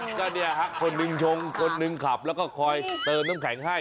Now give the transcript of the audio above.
แล้วเนี่ยคนนึงชงคนนึงขับแล้วก็คอยเตินน้ำแข็งให้